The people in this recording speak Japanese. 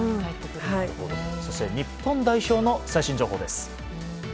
そして日本代表の最新情報です。